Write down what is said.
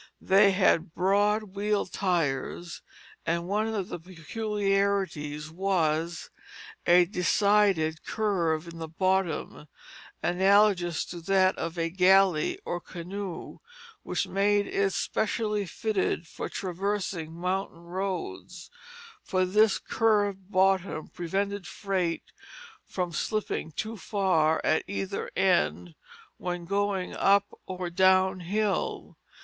They had broad wheel tires, and one of the peculiarities was a decided curve in the bottom, analogous to that of a galley or canoe, which made it specially fitted for traversing mountain roads; for this curved bottom prevented freight from slipping too far at either end when going up or down hill.